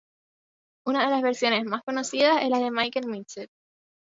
Una de las versiones más conocidas es la de Michael Mitchell.